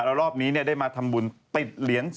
แล้วรอบนี้ได้มาทำบุญติดเหรียญ๒